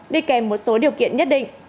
đi kèm một số điều kiện nhất định